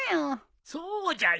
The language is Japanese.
そうじゃよ。